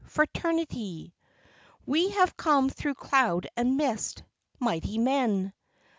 Fraternity! We have come through cloud and mist, Mighty men!